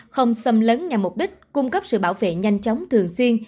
không xâm lấn nhằm mục đích cung cấp sự bảo vệ nhanh chóng thường xuyên